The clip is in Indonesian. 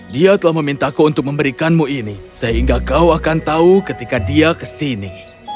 dia telah memintaku untuk memberikanmu ini sehingga kau akan tahu ketika dia kesini